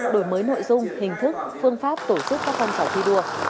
đổi mới nội dung hình thức phương pháp tổ chức các phong trào thi đua